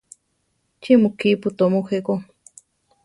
¿Chí mu kípu tóo mujé ko?